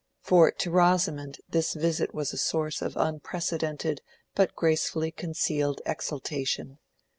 For to Rosamond this visit was a source of unprecedented but gracefully concealed exultation.